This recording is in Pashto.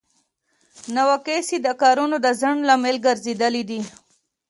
نواقص یې د کارونو د ځنډ لامل ګرځیدل دي.